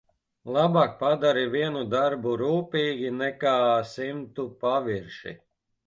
Labāk padari vienu darbu rūpīgi nekā simtu pavirši.